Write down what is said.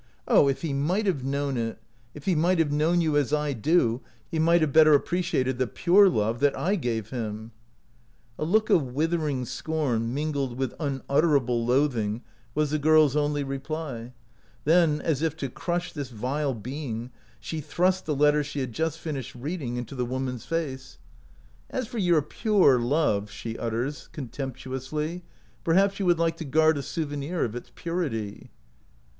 Oh, if he might have known it! If he might have known you as I do, he might have better appreciated the pure love that I gave him." A look of withering scorn mingled with unutterable loathing was the girl's only reply ; then, as if to crush this vile being, she thrust the letter she had just finished reading into the woman's face. 178 OUT OF BOHEMIA "As for your pure love," she utters, con temptuously, "perhaps you would like to guard a souvenir of its purity."